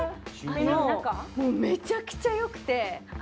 もうめちゃくちゃよくて。